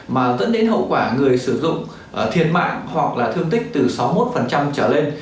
mà dẫn đến hậu quả người sử dụng thiệt mạng hoặc là thương tích từ sáu mươi một trở lên